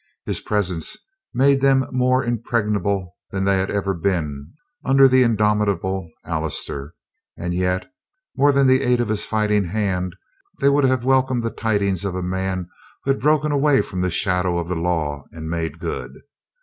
His presence made them more impregnable than they had ever been under the indomitable Allister, and yet, more than the aid of his fighting hand, they would have welcomed the tidings of a man who had broken away from the shadow of the law and made good.